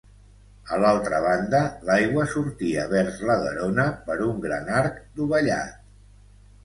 A l'altra banda l'aigua sortia vers la Garona per un gran arc dovellat.